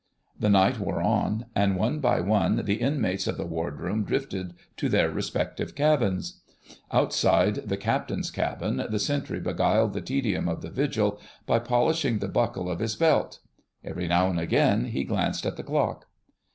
The night wore on, and one by one the inmates of the Wardroom drifted to their respective cabins. Outside the Captain's cabin the sentry beguiled the tedium of the vigil by polishing the buckle of his belt. Every now and again he glanced at the clock.